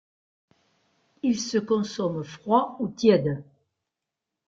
Il se consomme froid ou tiède.